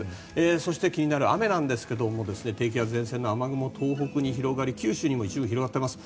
そして、気になる雨なんですけど低気圧、前線の雨雲が東北に広がり九州にも広がっています。